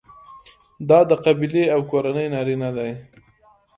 دا د قبیلې او کورنۍ نارینه دي.